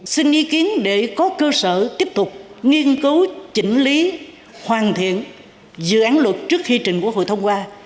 xin ý kiến để có cơ sở tiếp tục nghiên cứu chỉnh lý hoàn thiện dự án luật trước khi trình quốc hội thông qua